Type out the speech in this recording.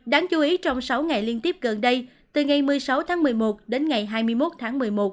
đáng chú ý trong sáu ngày liên tiếp gần đây từ ngày một mươi sáu tháng một mươi một đến ngày hai mươi một tháng một mươi một